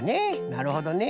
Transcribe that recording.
なるほどね。